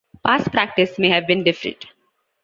Past practice may have been different.